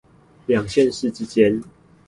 兩縣市之間